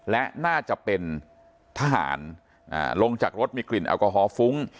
และน่าจะเป็นทหารลงจากรถมีกลิ่นแอลกอฮอลฟุ้ง